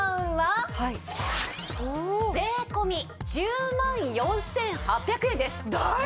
税込１０万４８００円です！